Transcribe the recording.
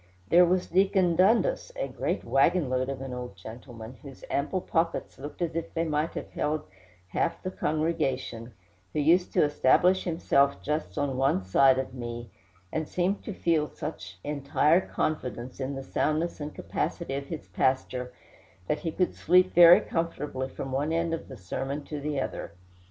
There was Deacon Dundas, a great wagon load of an old gentleman, whose ample pockets looked as if they might have held half the congregation, who used to establish himself just on one side of me, and seemed to feel such entire confidence in the soundness and capacity of his pastor that he could sleep very comfortably from one end of the sermon to the other.